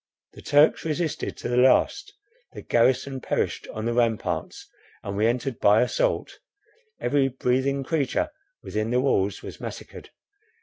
The Turks resisted to the last, the garrison perished on the ramparts, and we entered by assault. Every breathing creature within the walls was massacred.